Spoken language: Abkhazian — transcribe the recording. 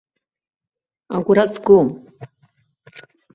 Агәра згом.